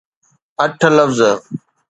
اٺ لفظ.